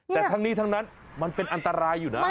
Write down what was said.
แต่ทั้งนี้ทั้งนั้นมันเป็นอันตรายอยู่นะ